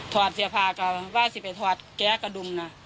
ถอดเสียพาก็ว่าสิไปถอดแก๊กระดุ่มนะ